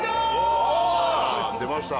出ました。